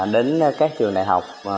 đến các trường đại học